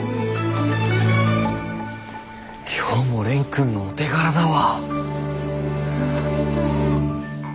今日も蓮くんのお手柄だわ。